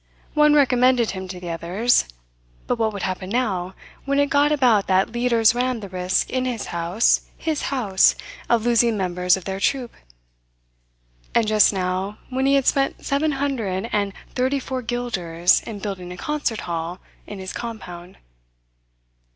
One recommended him to the others; but what would happen now, when it got about that leaders ran the risk in his house his house of losing members of their troupe? And just now, when he had spent seven hundred and thirty four guilders in building a concert hall in his compound.